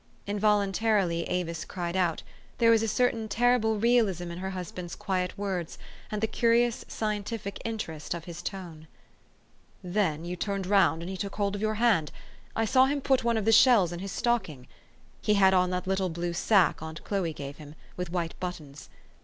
Involuntarily Avis cried out : there was a certain terrible realism in her husband's quiet words and the curious, scientific interest of his tone. " Then you turned round, and he took hold of your hand. I saw him put one of the shells in his stocking. He had on that little blue sack aunt Chloe gave him, with white buttons.